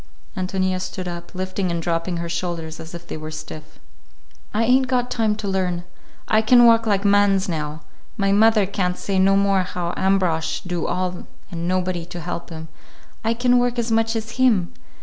Ántonia stood up, lifting and dropping her shoulders as if they were stiff. "I ain't got time to learn. I can work like mans now. My mother can't say no more how Ambrosch do all and nobody to help him. I can work as much as him.